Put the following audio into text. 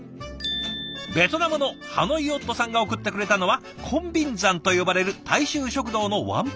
ベトナムのハノイ夫さんが送ってくれたのはコンビンザンと呼ばれる大衆食堂のワンプレートランチ。